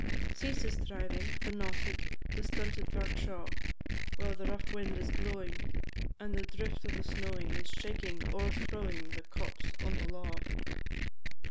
III. Ceases thriving, the knotted, The stunted birk shaw; While the rough wind is blowing, And the drift of the snowing Is shaking, o'erthrowing, The copse on the law.